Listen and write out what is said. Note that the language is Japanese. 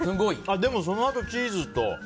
そのあとチーズと。